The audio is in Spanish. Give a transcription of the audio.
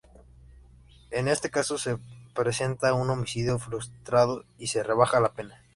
En este caso se presenta un homicidio frustrado y se rebaja la pena.